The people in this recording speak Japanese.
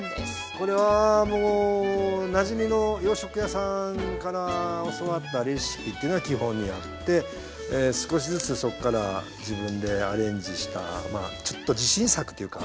これはなじみの洋食屋さんから教わったレシピというのが基本にあって少しずつそこから自分でアレンジしたちょっと自信作っていうか。